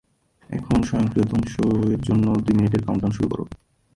এখন, স্বয়ংক্রিয় ধ্বংসের জন্য দুই মিনিটের কাউন্টডাউন শুরু করো।